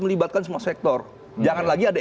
melibatkan semua sektor jangan lagi ada